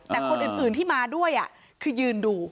แต่คนอื่นที่มาด้วยคือยืนดู